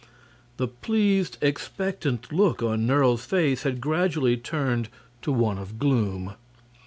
The pleased, expectant look on Nerle's face had gradually turned to one of gloom.